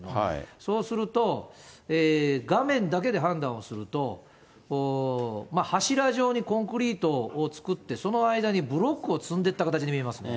そうすると、画面だけで判断をすると、柱状にコンクリートを作って、その間にブロックを積んでった形に見えますね。